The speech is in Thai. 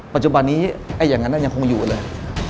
ปัจจุบันนี้อย่างนั้นยังคงอยู่เลย